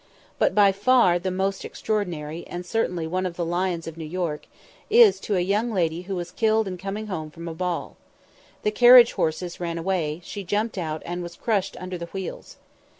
But by far the most extraordinary, and certainly one of the lions of New York, is to a young lady who was killed in coming home from a ball. The carriage horses ran away, she jumped out, and was crushed under the wheels.